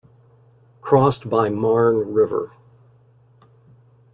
Crossed by Marne River.